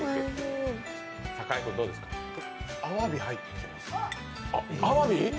あわび入ってます。